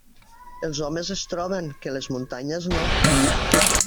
Els homes es troben, que les muntanyes no.